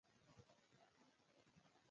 لایق زده کوونکي ناکامیږي او نالایق بریالي کیږي